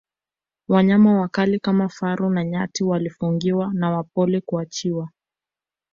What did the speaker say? wanyama wakali kama faru na nyati walifungiwa na wapole kuachiwa